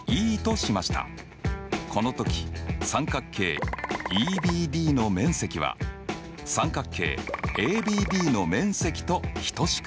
この時三角形ＥＢＤの面積は三角形ＡＢＤの面積と等しくなるよ。